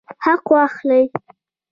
حق واخلئ